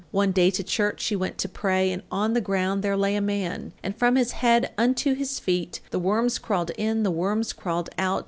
One day to church she went to pray, And on the ground there lay a man. And from his head unto his feet The worms crawled in, the worms crawled out.